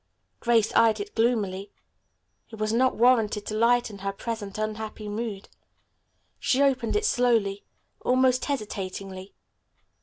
Grace eyed it gloomily. It was not warranted to lighten her present unhappy mood. She opened it slowly, almost hesitatingly.